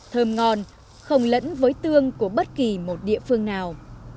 thơm ngon không lẫn với tương của bất kỳ một địa phương nào